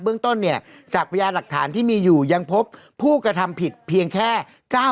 เรื่องต้นเนี่ยจากพยานหลักฐานที่มีอยู่ยังพบผู้กระทำผิดเพียงแค่